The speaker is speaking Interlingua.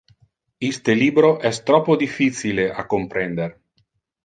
Iste libro es troppo difficile a comprender.